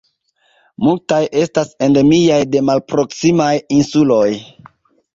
Multaj estas endemiaj de malproksimaj insuloj.